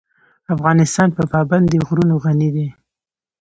افغانستان په پابندی غرونه غني دی.